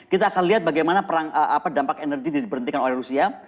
kita akan lihat bagaimana perang dampak energi diberhentikan oleh rusia